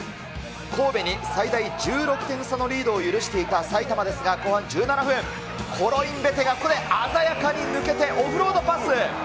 神戸に最大１６点差のリードを許していた埼玉ですが、後半１７分、コロインベテがこれ、鮮やかに抜けてオフロードパス。